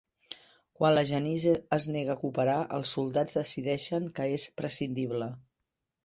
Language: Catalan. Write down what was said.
Quan la Janice es nega a cooperar, els soldats decideixen que és prescindible